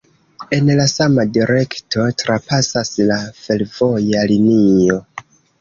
En la sama direkto trapasas la fervoja linio.